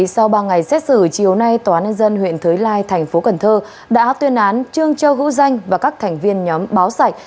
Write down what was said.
sau ba ngày xét xử chiều nay tòa án nhân dân huyện thới lai tp cn đã tuyên án trương cho hữu danh và các thành viên nhóm báo sạch